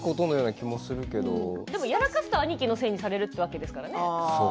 でも、やらかすと兄貴のせいにされるってことですからね。